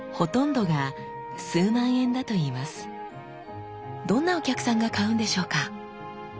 どんなお客さんが買うんでしょうか？